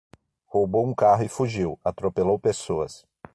Roubou um carro e fugiu, atropelou pessoas